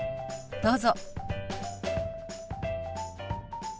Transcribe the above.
どうぞ。